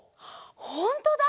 ほんとだ！